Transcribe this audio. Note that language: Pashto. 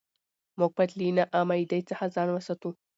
موږ باید له ناامیدۍ ځان وساتو